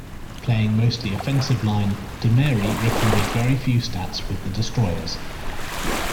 Playing mostly offensive line, DeMary recorded very few stats with the Destroyers.